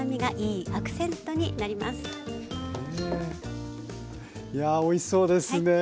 いやあおいしそうですね。